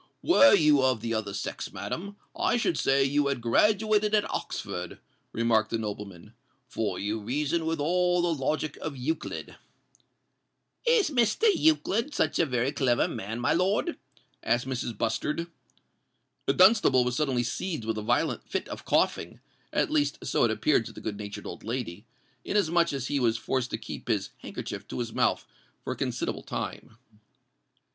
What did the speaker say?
"Were you of the other sex, madam, I should say you had graduated at Oxford," remarked the nobleman; "for you reason with all the logic of Euclid." "Is Mr. Euclid such a very clever man, my lord?" asked Mrs. Bustard. Dunstable was suddenly seized with a violent fit of coughing:—at least so it appeared to the good natured old lady; inasmuch as he was forced to keep his handkerchief to his mouth for a considerable time.